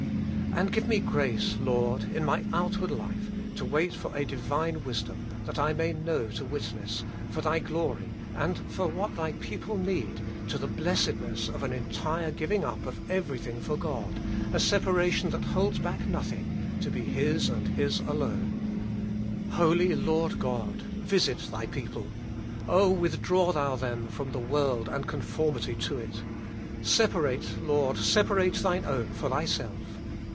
And give me grace, Lord, in my outward life to wait for a Divine wisdom, that I may know to witness, for Thy glory and for what Thy people need, to the blessedness of an entire giving up of everything for God, a separation that holds back nothing, to be His and His alone. HOLINESS AND SEPARATION. 97 Holy Lord God ! visit Thy people. Oh, with draw Thou them from the world and conformity to it. Separate, Lord, separate Thine own for Thyself.